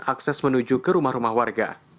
akses menuju ke rumah rumah warga